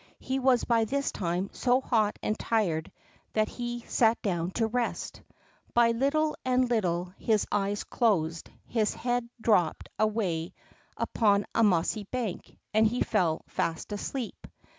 He was by this time so hot and tired that he sat down to rest. By little and little his eyes closed, his head dropped upon a mossy bank, and he fell fast asleep.